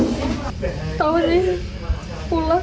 wijo kolderaherpun juga bilang kita selalu bilang